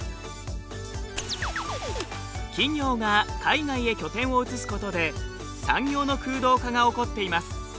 企業が海外へ拠点を移すことで産業の空洞化が起こっています。